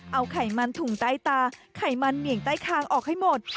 เอาไขมันถุงใต้ตาไขมันเหวี่ยงใต้คางออกให้หมด